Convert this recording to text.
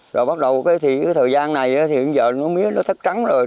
rồi bắt đầu cái thời gian này thì bây giờ mía nó thất trắng rồi